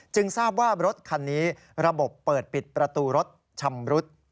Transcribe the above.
ทราบว่ารถคันนี้ระบบเปิดปิดประตูรถชำรุด